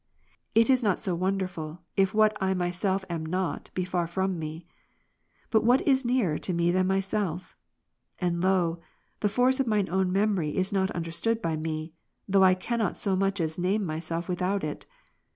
It is not so wonderful, if what I myself am not, be far from me. But what is nearer to me^than myself ? And lo, the force of mine own memory is not understood by me ; though I cannot so much as name myself without it.